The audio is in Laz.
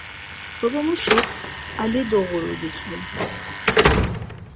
Babamuşik 'Ali doğuru' gitzui?